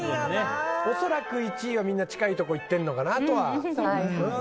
恐らく１位はみんな近いところいってるのかなとは。